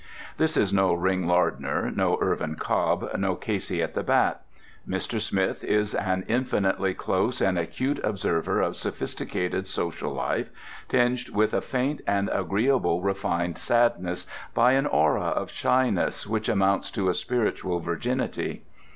This is no Ring Lardner, no Irvin Cobb, no Casey at the bat. Mr. Smith is an infinitely close and acute observer of sophisticated social life, tinged with a faint and agreeable refined sadness, by an aura of shyness which amounts to a spiritual virginity.